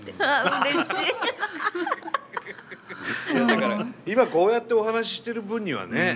だから今こうやってお話ししてる分にはね。